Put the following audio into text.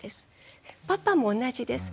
パパも同じです。